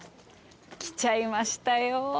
来ちゃいましたよ。